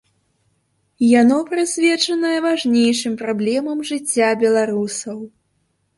Яно прысвечанае важнейшым праблемам жыцця беларусаў.